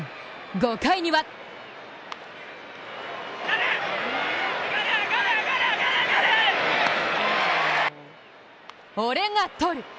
５回には俺が取る！